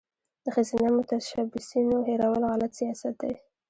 د ښځینه متشبثینو هیرول غلط سیاست دی.